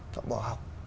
nó bỏ học